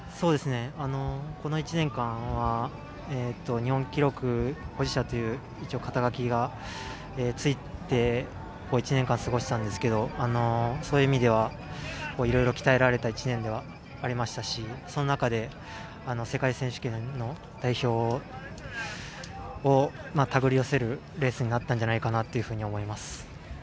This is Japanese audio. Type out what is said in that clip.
この１年間は日本記録保持者という肩書きがついて１年間過ごしたんですけれど、そういう意味ではいろいろ鍛えられた１年ではありましたし、その中で世界選手権の代表をたぐり寄せるレースになったんじゃないかなというふうに思います。